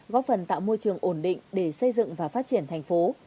góp phần tạo môi trường ổn định để xây dựng và phát triển thành phố